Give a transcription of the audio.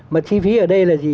mà chi phí ở đây là gì